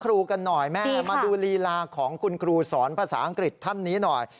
คุณครูกันหน่อยมาดูลีลาของคุณครูสอนภาษาอังกฤษทั้งนี้หน่อย